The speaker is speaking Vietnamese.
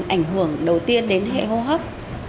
ảnh hưởng đầu tiên đến hệ hô hấp